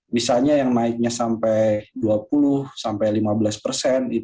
misalnya yang naiknya sampai dua puluh sampai lima belas persen